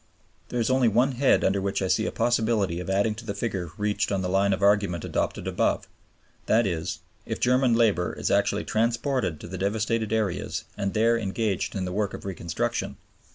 There is only one head under which I see a possibility of adding to the figure reached on the line of argument adopted above; that is, if German labor is actually transported to the devastated areas and there engaged in the work of reconstruction.